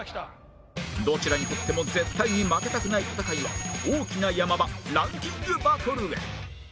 どちらにとっても絶対に負けたくない戦いは大きな山場ランキングバトルへ